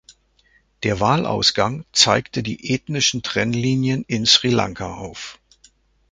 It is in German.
Der Wahlausgang zeigte die ethnischen Trennlinien in Sri Lanka auf.